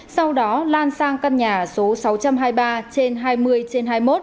sau đó lan sang căn nhà số sáu trăm hai mươi ba trên hai mươi trên hai mươi một